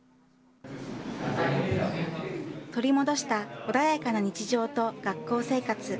取り戻した穏やかな日常と学校生活。